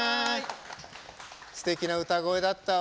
すてきな歌声だったわ。